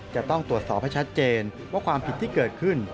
จะต้องตรวจสอบให้ชัดเจนว่าความผิดที่เกิดขึ้น